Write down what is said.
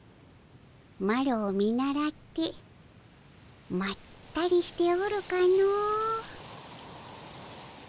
マロを見習ってまったりしておるかの。